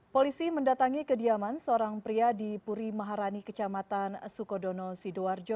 polisi mendatangi kediaman seorang pria di puri maharani kecamatan sukodono sidoarjo